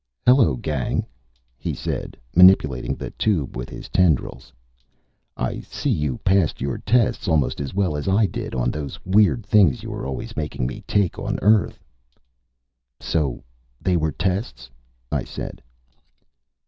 "Hello, gang," he said, manipulating the tube with his tendrils. "I see you passed your tests almost as well as I did on those weird things you were always making me take on Earth." "So they were tests," I said.